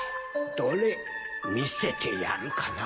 どれ見せてやるかな。